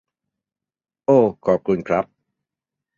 โอ้ขอบคุณครับ